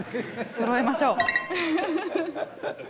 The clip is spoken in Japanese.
そろえましょう。